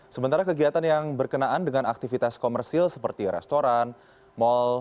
sementara kegiatan yang berkenaan dengan aktivitas komersil seperti restoran mal